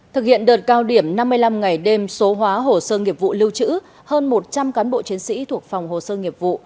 thực hiện đợt cao điểm năm mươi năm ngày đêm số hóa hồ sơ nghiệp vụ lưu trữ hơn một trăm linh cán bộ chiến sĩ thuộc phòng hồ sơ nghiệp vụ